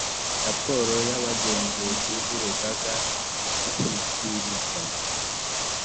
raporo y abagenzuzi b urugaga ishyikirizwa